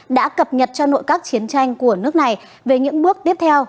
đã cập nhật cho nội các chiến tranh của nước này về những bước tiếp theo